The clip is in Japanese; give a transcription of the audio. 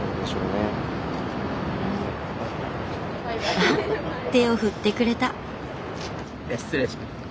あっ手を振ってくれた。